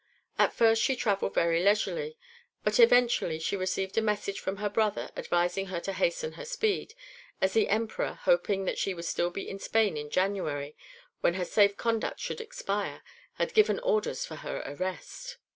At first she travelled very leisurely, but eventually she received a message from her brother, advising her to hasten her speed, as the Emperor, hoping that she would still be in Spain in January, when her safe conduct would expire, had given orders for her arrest.